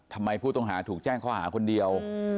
ทำไมผู้ต้องหาถูกแจ้งเขาหาคนเดียว